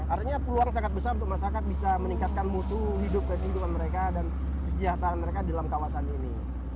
artinya peluang sangat besar untuk masyarakat bisa meningkatkan mutu hidup kehidupan mereka dan kesejahteraan mereka dalam kawasan ini